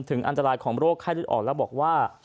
ถึงอันตรายของโรคไข้เลือดออกแล้วบอกว่า